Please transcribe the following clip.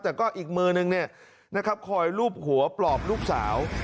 แต่ก็อีกมือนึงคอยลูบหัวปลอบลูกสาว